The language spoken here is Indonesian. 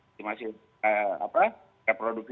itu masih reproduksi